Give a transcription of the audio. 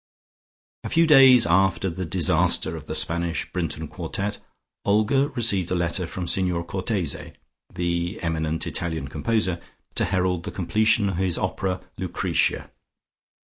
A few days after the disaster of the Spanish Brinton Quartet, Olga received a letter from Signor Cortese, the eminent Italian composer, to herald the completion of his opera, "Lucretia."